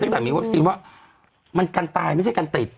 ตั้งแต่มีวัคซีนว่ามันกันตายไม่ใช่การติด